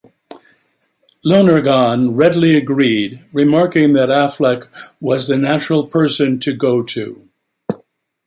Lonergan readily agreed, remarking that Affleck was the natural person to go to.